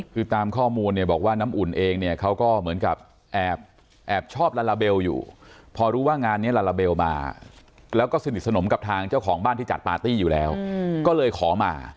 คือตามข้อมูลเนี่ยบอกว่าน้ำอุ่นเองเนี่ยเขาก็เหมือนกับแอบชอบลาลาเบลอยู่พอรู้ว่างานนี้ลาลาเบลมาแล้วก็สนิทสนมกับทางเจ้าของบ้านที่จัดปาร์ตี้อยู่แล้วก็เลยขอมา